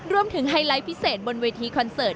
ไฮไลท์พิเศษบนเวทีคอนเสิร์ต